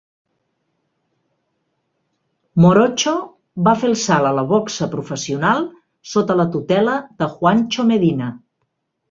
"Morocho" va fer el salt a la boxa professional sota la tutela de Juancho Medina.